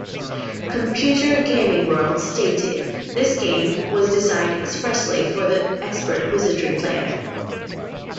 "Computer Gaming World" stated, "This game was designed expressly for the expert Wizardry player.